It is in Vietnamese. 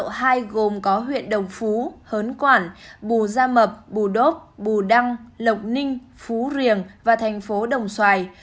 nguy cơ dịch ở cấp độ hai gồm có huyện đồng phú hớn quản bù gia mập bù đốc bù đăng lộc ninh phú riềng và thành phố đồng xoài